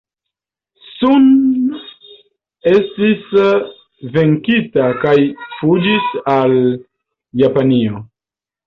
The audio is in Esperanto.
Sun estis venkita kaj fuĝis al Japanio.